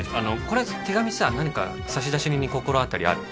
これ手紙さ何か差出人に心当たりある？